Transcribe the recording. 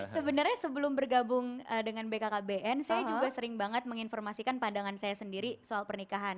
sebenarnya sebelum bergabung dengan bkkbn saya juga sering banget menginformasikan pandangan saya sendiri soal pernikahan